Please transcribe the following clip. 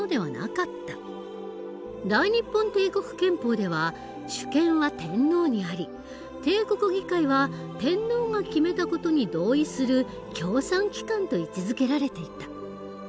大日本帝国憲法では主権は天皇にあり帝国議会は天皇が決めた事に同意する協賛機関と位置づけられていた。